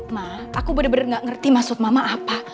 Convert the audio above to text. mak aku bener bener gak ngerti maksud mama apa